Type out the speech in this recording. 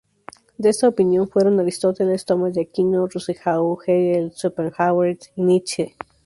De esta opinión fueron Aristóteles, Tomás de Aquino, Rousseau, Hegel, Schopenhauer y Nietzsche.